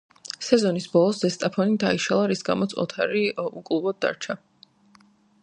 სეზონის ბოლოს „ზესტაფონი“ დაიშალა, რის გამოც ოთარი უკლუბოდ დარჩა.